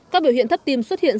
các biểu hiện thấp tim xuất hiện